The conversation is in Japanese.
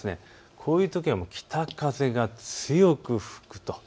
こういうときは北風が強く吹くと。